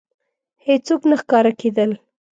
هېڅوک نه ښکاره کېدل.